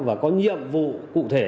và có nhiệm vụ cụ thể